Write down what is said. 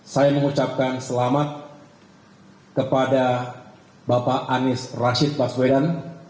saya mengucapkan selamat kepada bapak anies rashid baswedan